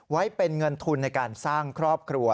ไว้เป็นเงินทุนในการสร้างครอบครัว